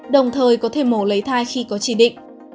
đồng thời có thể mổ lấy thai khi có chỉ định